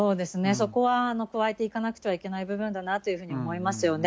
そこは加えていかなければいけない部分だなとは思いますよね。